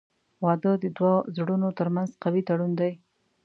• واده د دوه زړونو ترمنځ قوي تړون دی.